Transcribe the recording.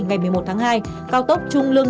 ngày một mươi một tháng hai cao tốc trung lương